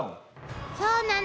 そうなの。